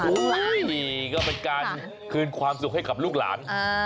นี่ก็เป็นการคืนความสุขให้กับลูกหลาน